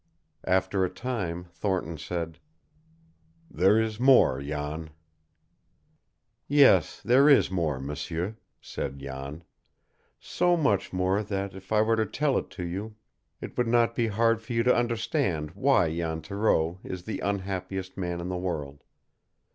After a time Thornton said, "There is more, Jan." "Yes, there is more, m'sieur," said Jan. "So much more that if I were to tell it to you it would not be hard for you to understand why Jan Thoreau is the unhappiest man in the world.